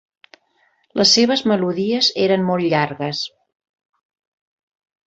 Les seves melodies eren molt llargues.